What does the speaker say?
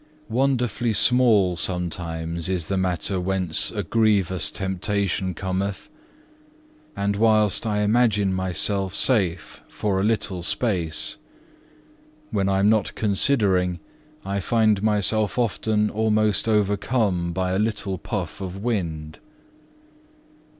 Wonderfully small sometimes is the matter whence a grievous temptation cometh, and whilst I imagine myself safe for a little space; when I am not considering, I find myself often almost overcome by a little puff of wind.